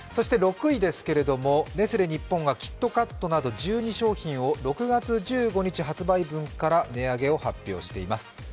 ６位ですけれども、ネスレ日本がキットカットなど１２商品を６月１５日発売分から値上げを発表しています。